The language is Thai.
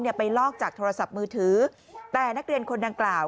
ไปลอกจากโทรศัพท์มือถือแต่นักเรียนคนดังกล่าว